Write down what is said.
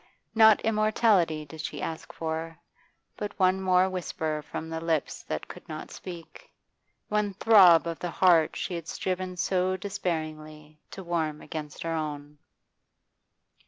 Not immortality did she ask for, but one more whisper from the lips that could not speak, one throb of the heart she had striven so despairingly to warm against her own.